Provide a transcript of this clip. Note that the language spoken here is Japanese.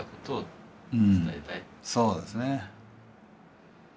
そうですね。